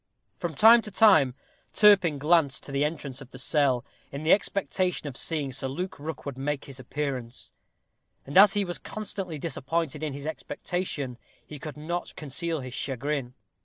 From time to time Turpin glanced to the entrance of the cell, in the expectation of seeing Sir Luke Rookwood make his appearance; and, as he was constantly disappointed in his expectation, he could not conceal his chagrin.